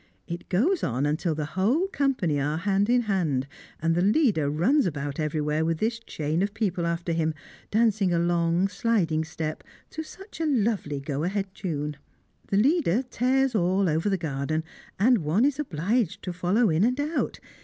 It goes on until the whole company are hand in hand; and the leader runs about everywhere with this chain of people after him, dancing a long sliding step, to such a lovely go ahead tune. The leader tears all over the garden, and one is obliged to follow in and out.